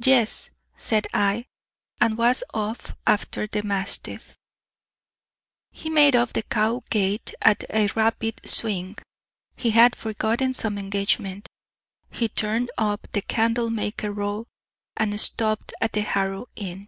"Yes," said I, and was off after the mastiff. He made up the Cowgate at a rapid swing; he had forgotten some engagement. He turned up the Candlemaker Row, and stopped at the Harrow Inn.